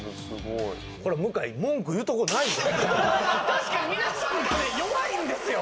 確かに皆さんこれ弱いんですよ。